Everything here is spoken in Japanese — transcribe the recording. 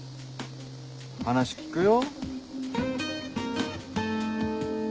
話聞くよ。